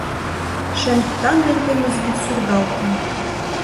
Шем тӱтан ден теҥыз вӱд сургалтын